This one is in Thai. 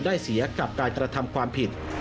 ได้เสียกับการกระทำความผิด